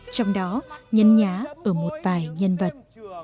trong đó nhân nhá ở một vài nhân vật